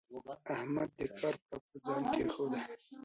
احمد د کار پړه پر ځان کېښوده.